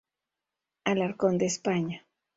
Alcorcón de España.